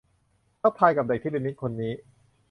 ทักทายกับเด็กที่เป็นมิตรคนนี้